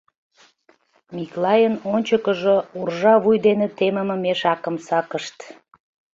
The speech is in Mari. Миклайын ончыкыжо уржа вуй дене темыме мешакым сакышт.